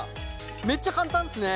めっちゃ簡単ですね。